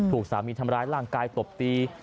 ถูกสามีทำร้ายร่างกายตบตี